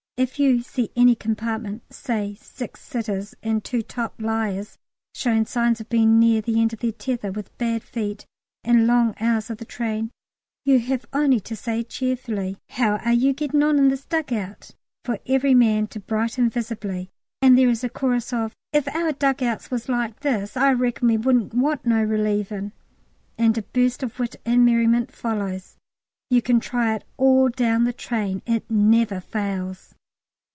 If you see any compartment, say six sitters and two top liers showing signs of being near the end of their tether, with bad feet and long hours of the train, you have only to say cheerfully, "How are you getting on in this dug out?" for every man to brighten visibly, and there is a chorus of "If our dug outs was like this I reckon we shouldn't want no relievin'!" and a burst of wit and merriment follows. You can try it all down the train; it never fails.